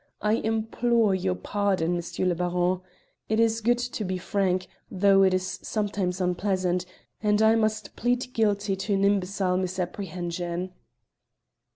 I implore your pardon, M. le Baron. It is good to be frank, though it is sometimes unpleasant, and I must plead guilty to an imbecile misapprehension."